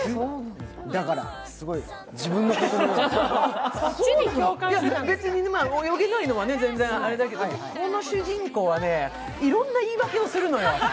だから、すごい自分のことのように別に泳げないのは全然あれだけど、この主人公はね、いろんな言い訳をするのよ。